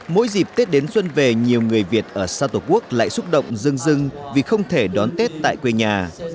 mỗi dịp tết đến xuân về nhiều người việt ở xa tổ quốc lại xúc động dưng dưng vì không thể đón tết tại quê nhà